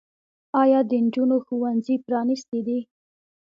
آیا د نجونو ښوونځي پرانیستي دي؟